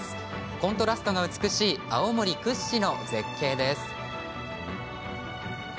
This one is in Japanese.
コントラストが美しい青森屈指の絶景です。